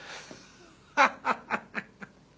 ハハハハハ！